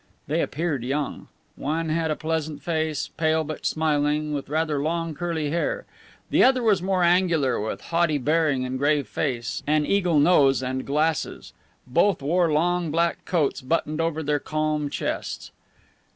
They appeared young. One had a pleasant face, pale but smiling, with rather long, curly hair; the other was more angular, with haughty bearing and grave face, an eagle nose and glasses. Both wore long black coats buttoned over their calm chests.